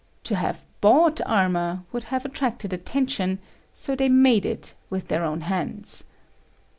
To have bought armour would have attracted attention, so they made it with their own hands.